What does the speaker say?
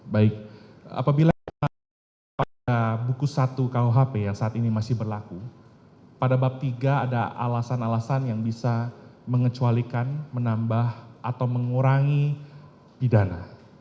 baik apabila pada buku satu kuhp yang saat ini masih berlaku pada bab tiga ada alasan alasan yang bisa mengecualikan menambah atau mengurangi pidana